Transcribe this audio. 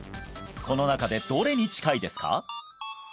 この中でどれに近いですか？